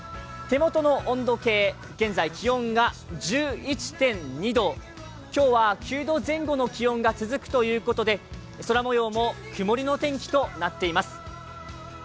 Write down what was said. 手元の温度計、現在気温が１１．２度、今日は９度前後の気温が続くということで空もようもくもりの天気となっています。